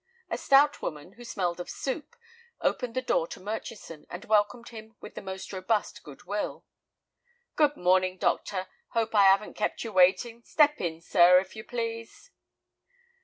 A stout woman, who smelled of soup, opened the door to Murchison and welcomed him with the most robust good will. "Good morning, doctor; hope I 'aven't kept you waiting. Step in, sir, if you please."